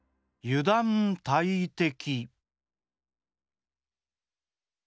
油断大敵。